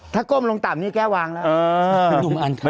ถ้ากล้มลงต่ัมนี่แก้ววางละ